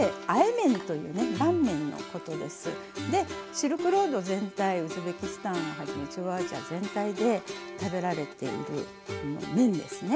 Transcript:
シルクロード全体ウズベキスタンをはじめ中央アジア全体で食べられている麺ですね。